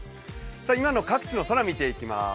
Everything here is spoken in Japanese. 今の各地の空を見ていきます。